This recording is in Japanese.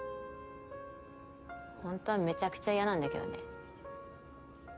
本当はめちゃくちゃ嫌なんだけどね。